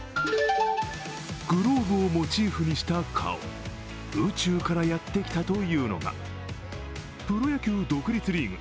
グローブをモチーフにした顔、宇宙からやってきたというのがプロ野球独立リーグ